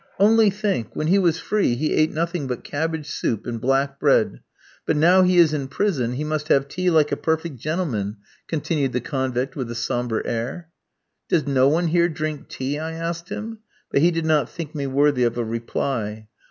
"Only think! When he was free he ate nothing but cabbage soup and black bread, but now he is in prison he must have tea like a perfect gentleman," continued the convict with the sombre air. "Does no one here drink tea?" I asked him; but he did not think me worthy of a reply.